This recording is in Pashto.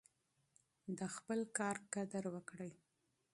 د خپل کار قدر وکړئ.